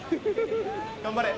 頑張れ。